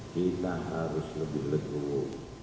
kita harus lebih legu